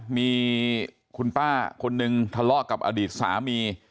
มีคุณป้าคนนึงทะเลาะกับอดีตสามี